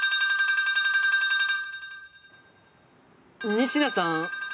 仁科さん？